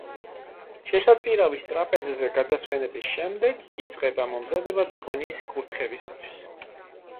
შესაწირავის ტრაპეზზე გადასვენების შემდეგ იწყება მომზადება ძღვნის კურთხევისათვის.